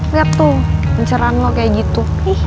lihat tuh pencerahan lu begitu